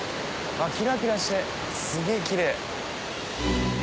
キラキラしてすげぇキレイ。